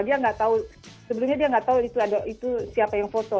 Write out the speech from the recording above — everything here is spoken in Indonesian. dia nggak tahu sebelumnya dia nggak tahu itu siapa yang foto